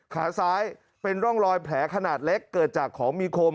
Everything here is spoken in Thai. ขาซ้ายเป็นร่องรอยแผลขนาดเล็กเกิดจากของมีคม